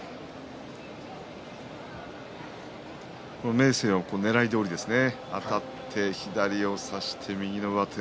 明生はねらいどおりでしたね。